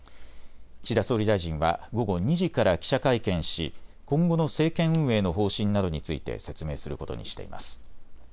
岸田総理大臣は午後２時から記者会見し今後の政権運営の方針などについて説明することにしています。